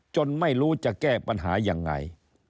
ไม่รู้จะแก้ปัญหายังไง